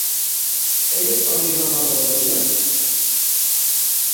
Ell és feliç amb l'amor d'ella?